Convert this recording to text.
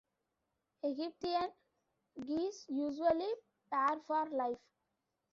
Egyptian geese usually pair for life.